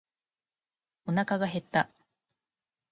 おなかが減った。